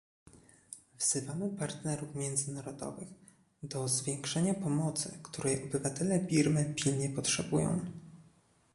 Wzywamy partnerów międzynarodowych do zwiększenia pomocy, której obywatele Birmy pilnie potrzebują